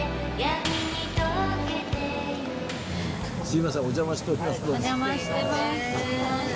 すいませんお邪魔しております。